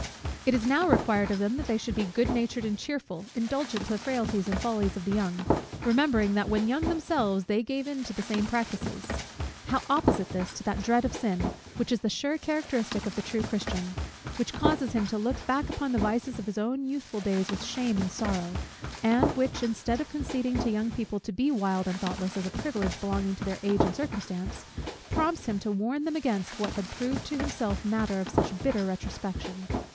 It is now required of them that they should be good natured and cheerful, indulgent to the frailties and follies of the young; remembering, that when young themselves they gave into the same practices. How opposite this to that dread of sin, which is the sure characteristic of the true Christian; which causes him to look back upon the vices of his own youthful days with shame and sorrow; and which, instead of conceding to young people to be wild and thoughtless, as a privilege belonging to their age and circumstances, prompts him to warn them against what had proved to himself matter of such bitter retrospection!